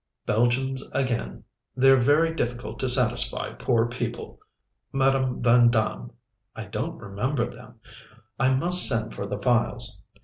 Belgians again; they're very difficult to satisfy, poor people. Madame Van Damm I don't remember them I must send for the files.